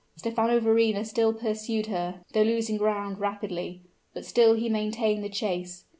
Stephano Verrina still pursued her, though losing ground rapidly; but still he maintained the chase.